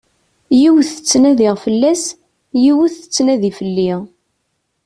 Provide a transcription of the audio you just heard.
Yiwet ttnadiɣ fell-as, yiwet tettnadi fell-i.